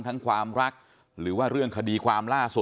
ความรักหรือว่าเรื่องคดีความล่าสุด